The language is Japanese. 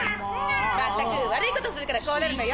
まったく悪いことするからこうなるのよ。